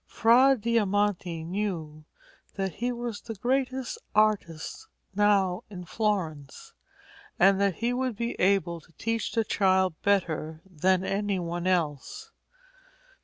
Fra Diamante knew that he was the greatest artist now in Florence, and that he would be able to teach the child better than any one else.